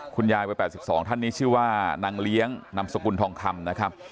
คุณยายวัย๘๒ท่านนี้ชื่อว่านางเลี้ยงนำสกุลทองคำนะครับ